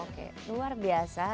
oke luar biasa